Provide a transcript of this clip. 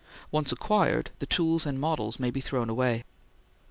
Once acquired, the tools and models may be thrown away.